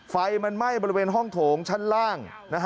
ไฟมันไหม้บริเวณห้องโถงชั้นล่าง